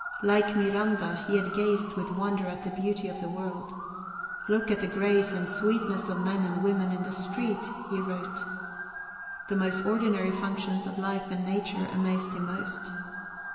Like Miranda, he had gazed with wonder at the beauty of the world. "Look at the grace and sweetness {xix} of men and women in the street," he wrote. The most ordinary functions of life and nature amazed him most.